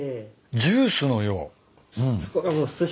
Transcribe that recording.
ジュースのよう。